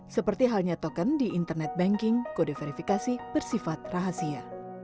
seperti halnya token di internet banking kode verifikasi bersifat rahasia